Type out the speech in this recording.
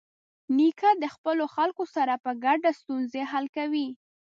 نیکه د خپلو خلکو سره په ګډه ستونزې حل کوي.